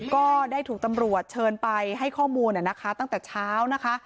ก็ได้ถูกตำรวจเชิญไปให้ข้อมูลนะคะตั้งแต่เช้านะคะ